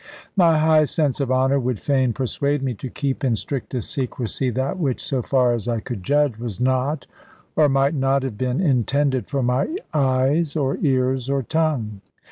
My high sense of honour would fain persuade me to keep in strictest secrecy that which (so far as I could judge) was not, or might not have been, intended for my eyes, or ears, or tongue.